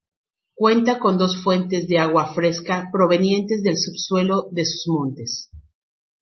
Cuenta con dos fuentes de agua fresca provenientes del subsuelo de sus montes